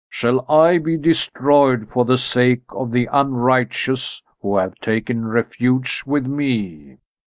Shall I be destroyed for the sake of the unrighteous who have taken refuge with me?"